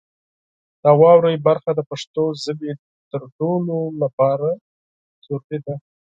د واورئ برخه د پښتو ژبې د تړلو لپاره ضروري ده.